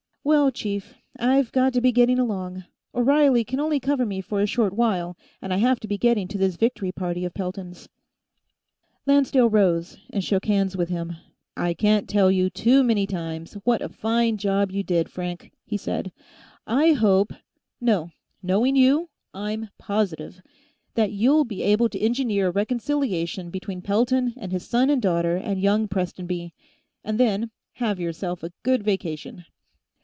"Well, chief, I've got to be getting along. O'Reilly can only cover me for a short while, and I have to be getting to this victory party of Pelton's " Lancedale rose and shook hands with him. "I can't tell you, too many times, what a fine job you did, Frank," he said. "I hope ... no, knowing you, I'm positive ... that you'll be able to engineer a reconciliation between Pelton and his son and daughter and young Prestonby. And then, have yourself a good vacation."